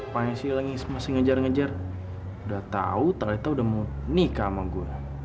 panggilnya masih ngejar ngejar udah tahu tak ada udah mau nikah sama gue